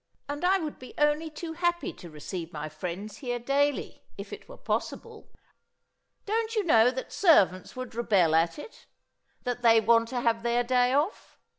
And I would be only too happy to receive my friends here daily, if it were possible. Don't you know that servants would rebel at it? That they want to have their day off?